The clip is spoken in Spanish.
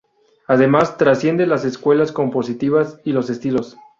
Además, trasciende las escuelas compositivas y los estilos.